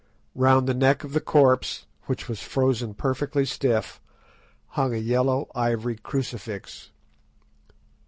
Round the neck of the corpse, which was frozen perfectly stiff, hung a yellow ivory crucifix.